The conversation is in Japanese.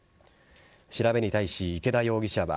調べに対し池田容疑者は